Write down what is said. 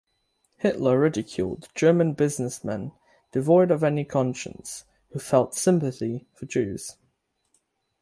Hitler ridiculed "German businessmen devoid of any conscience" who felt sympathy for Jews.